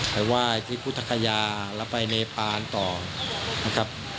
ไปไหว้ที่พุทธคยาแล้วไปเนปานต่อนะครับ